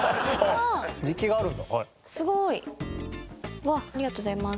うわっありがとうございます。